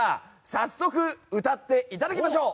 早速、歌っていただきましょう。